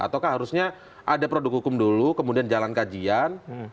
ataukah harusnya ada produk hukum dulu kemudian jalan kajian